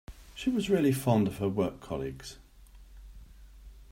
She was really fond of her work colleagues.